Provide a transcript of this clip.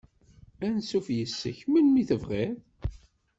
Ansuf yess-k melmi tebɣiḍ.